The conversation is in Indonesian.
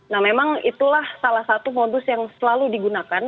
nah memang itulah salah satu modus yang selalu digunakan